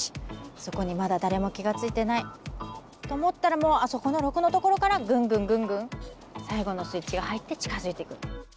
そこにまだ誰も気が付いてないと思ったらもうあそこの６のところからぐんぐんぐんぐん最後のスイッチが入って近づいてくる。